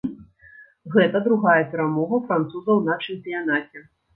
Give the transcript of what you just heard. Гэта другая перамога французаў на чэмпіянаце.